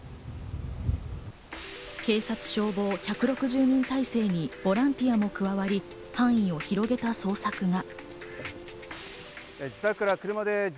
警察、消防１６０人態勢にボランティアも加わり、範囲を広げた捜索が。